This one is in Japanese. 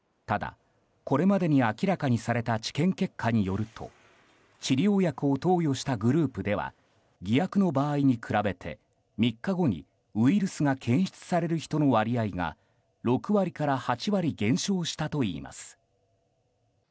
ただ、これまでに明らかにされた治験結果によると治療薬を投与したグループでは偽薬の場合に比べて３日後にウイルスが検出される人の割合が６割から８割減少したといいます。